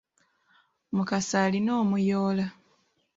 Mukasa alina omuyoola.